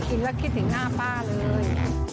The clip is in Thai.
กินแล้วคิดถึงหน้าป้าเลย